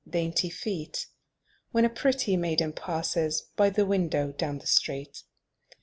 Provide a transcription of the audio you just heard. "Dainty feet!" When a pretty maiden passes By the window down the street.